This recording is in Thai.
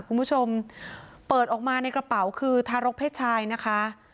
คุณผู้ชมเปิดออกมาในกระเป๋าคือทารกเพศชายนะคะ